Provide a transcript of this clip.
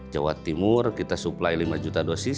jawa timur kita supply lima juta dosis